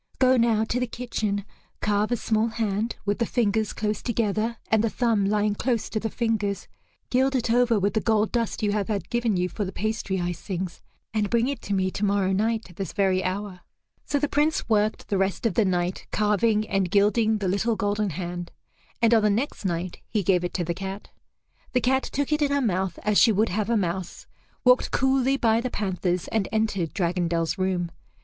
Go now to the kitchen, carve a small hand with the fingers close together and the thumb lying close to the fingers, gild it over with the gold dust you have had given you for the pastry icings, and bring it to me tomorrow night at this very hour." So the Prince worked the rest of the night carving and gilding the little golden hand, and on the next night he gave it to the cat. The cat took it in her mouth as she would have a mouse, walked coolly by the panthers, and entered Dragondel's room.